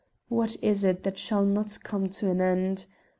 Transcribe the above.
What is it that shall not come to an end?